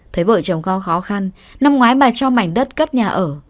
thấy vợ chồng cao khó khăn năm ngoái bà cho mảnh đất cất nhà ở